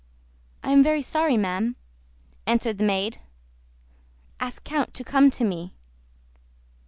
"I am very sorry, ma'am," answered the maid. "Ask the count to come to me."